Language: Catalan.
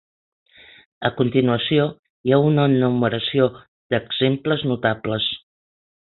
A continuació hi ha una enumeració d'exemples notables.